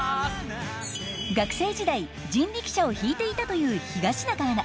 学生時代、人力車を引いていたという東中アナ。